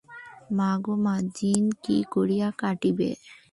মা গো মা দিন কি করিয়া কাটিবে!